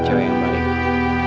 syukur fem train